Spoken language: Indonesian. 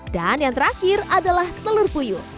dan yang terakhir adalah telur puyuh